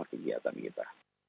semua kegiatan kita